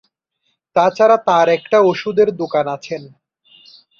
এছাড়া তার একটা ওষুধের দোকান আছেন।